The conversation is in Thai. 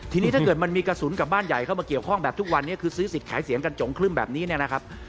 ทีนี้ถ้าเกิดมันมีกระสุนกับบ้านใหญ่เข้ามาเกี่ยวข้องแบบทุกวันนี้คือซื้อสิทธิ์ขายเสียงกันจงครึ่มแบบนี้เนี่ยนะครับ